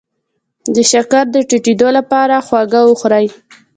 د شکر د ټیټیدو لپاره خواږه وخورئ